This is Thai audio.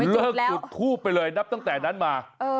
จุดทูบไปเลยนับตั้งแต่นั้นมา